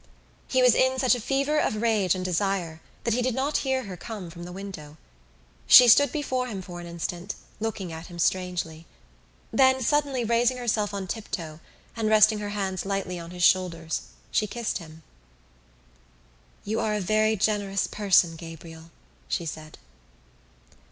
He was in such a fever of rage and desire that he did not hear her come from the window. She stood before him for an instant, looking at him strangely. Then, suddenly raising herself on tiptoe and resting her hands lightly on his shoulders, she kissed him. "You are a very generous person, Gabriel," she said.